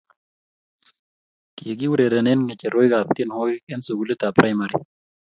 kikiurerenen ng'echeroikab tienwokik eng sukulitab praimari